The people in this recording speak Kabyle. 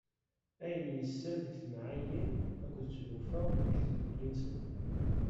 Ayen yessal deg timɛayin akked tlufa deg tddukli-nsen.